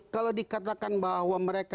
kalau dikatakan bahwa mereka